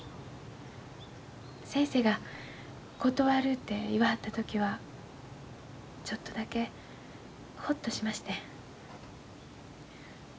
先生が断るて言わはった時はちょっとだけほっとしましてん。